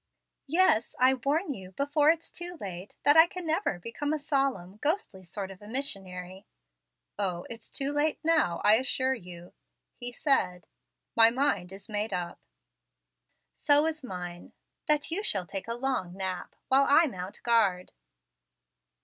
"Yes, I warn you, before it's too late, that I can never become a solemn, ghostly sort of a missionary." "O, it's too late now, I assure you," he said: "my mind is made up." "So is mine, that you shall take a long nap, while I mount guard."